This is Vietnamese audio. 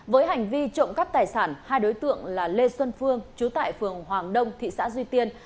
với hành vi trộm cắp tài sản hai đối tượng là lê xuân phương chú tại phường hoàng đông thị xã duy tiên